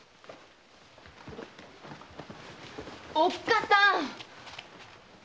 おっかさん！